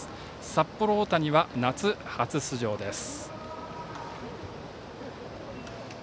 札幌大谷は夏初出場です。